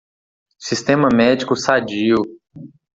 Sistema médico sadio